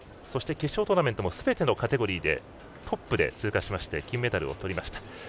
そして、決勝トーナメントもすべてのカテゴリーもトップで通過しまして金メダルをとりました。